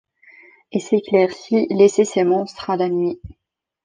Et s'éclaircit, laissez ces monstres à la nuit.